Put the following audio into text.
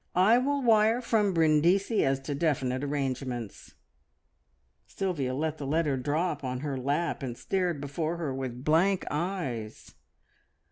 I will wire from Brindisi as to definite arrangements." Sylvia let the letter drop on her lap, and stared before her with blank eyes.